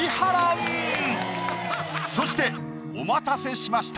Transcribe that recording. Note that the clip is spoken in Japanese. そしてお待たせしました。